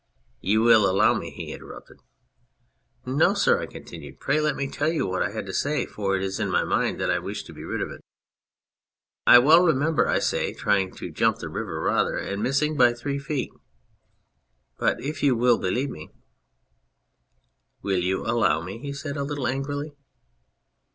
..."" You will allow me," he interrupted. " No, sir," I continued, " pray let me tell you what I had to say, for it is in my mind and I wish to be rid of it. I well remember, I say, trying to jump the River Rother and missing by three feet, but if you will believe me "" Will you allow me ?" he said, a little angrily.